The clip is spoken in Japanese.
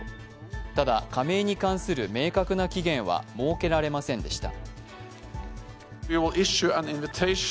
ただ加盟に関する明確な期限は設けられませんでした。